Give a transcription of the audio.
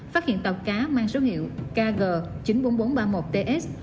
phát hiện tàu cá mang số hiệu kg chín mươi bốn nghìn bốn trăm ba mươi một ts